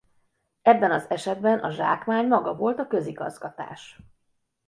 Ebben az esetben a zsákmány maga volt a közigazgatás.